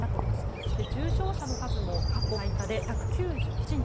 そして、重症者の数も過去最多で１９７人。